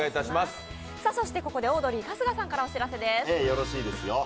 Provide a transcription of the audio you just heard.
そしてここでオードリー・春日さんからお知らせです。